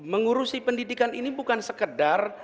mengurusi pendidikan ini bukan sekedar